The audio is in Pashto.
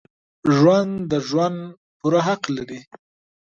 ژوندي د ژوند پوره حق لري